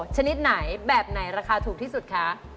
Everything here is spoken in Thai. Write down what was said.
ชนิดไหนแบบไหนราคาถูกที่สุดคะ